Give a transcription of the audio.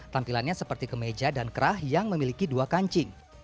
tampilannya seperti kemeja dan kerah yang memiliki dua kancing